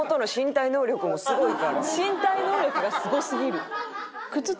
身体能力がすごすぎる。